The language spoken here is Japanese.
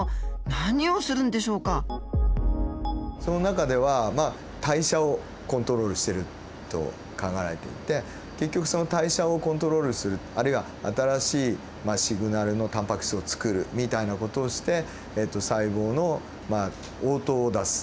その中では代謝をコントロールしていると考えられていて結局その代謝をコントロールするあるいは新しいシグナルのタンパク質をつくるみたいな事をして細胞の応答を出す。